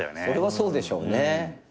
それはそうでしょうね。